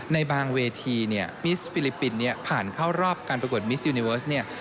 ในบางเวทีมิสฟิลิปปินส์ผ่านเข้ารอบการประกวดมิสฟิลิปปินส์